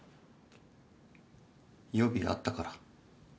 予備あったから。